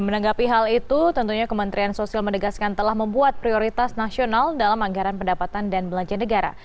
menanggapi hal itu tentunya kementerian sosial menegaskan telah membuat prioritas nasional dalam anggaran pendapatan dan belanja negara